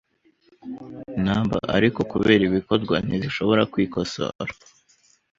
numberAriko kubera ibikorwa ntizishobora kwikosora